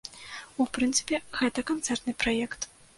У прынцыпе, гэта канцэртны праект.